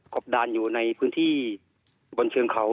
บดานอยู่ในพื้นที่บนเชิงเขา